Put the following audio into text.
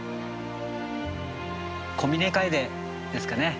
コミネカエデですかね。